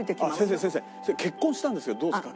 先生先生結婚したんですけどどうですか？